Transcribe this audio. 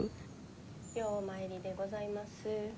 ようお参りでございます。